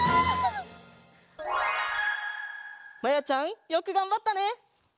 まやちゃんよくがんばったね！